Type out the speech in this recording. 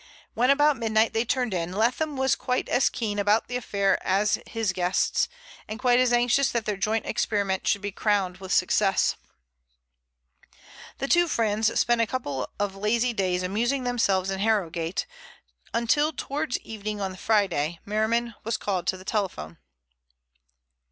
When about midnight they turned in, Leatham was quite as keen about the affair as his guests, and quite as anxious that their joint experiment should be crowned with success. The two friends spent a couple of lazy days amusing themselves in Harrogate, until towards evening on the Friday Merriman was called to the telephone.